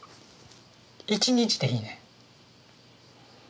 １日でいいねん。